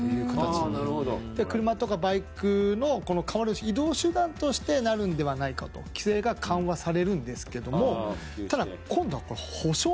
車とかバイクの代わりの移動手段としてなるんではないかと規制が緩和されるんですけどもただ今度は補償なんですよ。